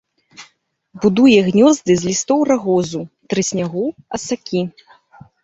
Будуе гнёзды з лістоў рагозу, трыснягу, асакі.